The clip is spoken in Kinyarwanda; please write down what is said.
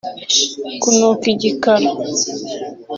kunuka Igikara